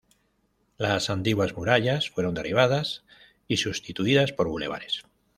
Las antiguas murallas fueron derribadas y sustituidas por bulevares.